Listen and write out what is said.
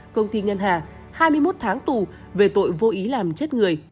công ty ngân hà hai mươi một tháng tù về tội vô ý làm chết người